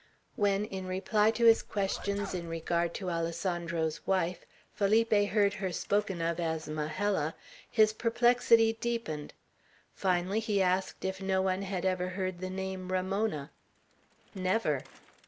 When, in reply to his questions in regard to Alessandro's wife, Felipe heard her spoken of as "Majella," his perplexity deepened. Finally he asked if no one had ever heard the name Ramona. "Never."